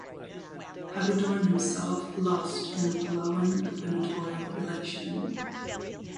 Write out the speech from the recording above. Hagedorn himself lost in the Palawan gubernatorial election.